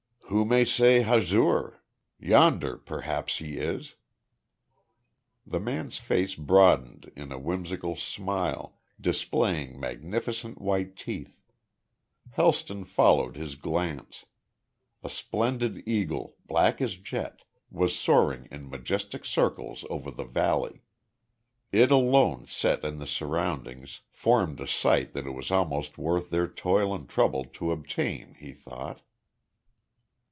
"Who may say, Hazur? Yonder, perhaps, he is." The man's face broadened in a whimsical smile, displaying magnificent white teeth. Helston followed his glance. A splendid eagle, black as jet, was soaring in majestic circles over the valley. It alone, set in the surroundings, formed a sight that it was almost worth their toil and trouble to obtain, he thought.